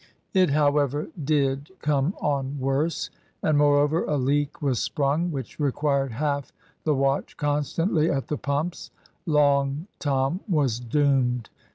It, however, did come on worse; and, moreover, a leak was sprung, which required half the watch constantly at the pumps. Long Tom was doomed.